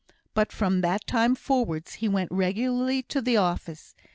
But from that time forwards he went regularly to the office.